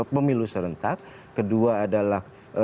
pemilu serentak kedua adalah